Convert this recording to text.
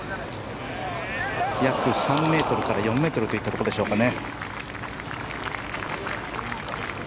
約３ｍから４ｍといったところでしょうかね。